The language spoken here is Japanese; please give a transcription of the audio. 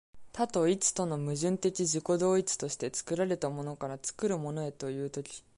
多と一との矛盾的自己同一として、作られたものから作るものへという時、